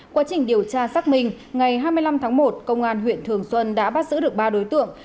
quá trình điều tra xác minh ngày hai mươi năm tháng một công an huyện thường xuân đã bắt giữ được ba đối tượng